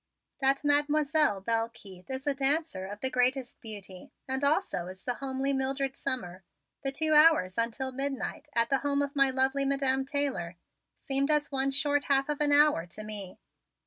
That Mademoiselle Belle Keith is a dancer of the greatest beauty, and also is the homely Mildred Summers. The two hours until midnight at the home of my lovely Madam Taylor seemed as one short half of an hour to me.